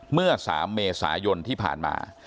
เมื่อ๓เมษายนที่ผ่านมา